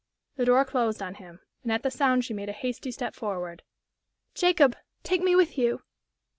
The door closed on him, and at the sound she made a hasty step forward. "Jacob! Take me with you!"